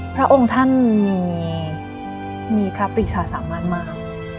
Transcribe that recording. พระองค์ท่านมีพระปริชาสามารถมาก